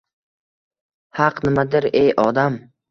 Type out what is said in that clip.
— Haq nimadir, ey odam?